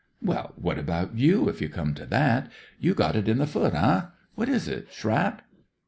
"Well, what about you, if you come to that. You got it in the foot, eh? What is it— shrap